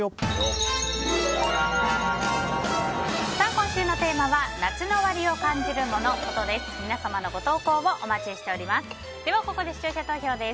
今週のテーマは、夏の終わりを感じるモノ・コトです。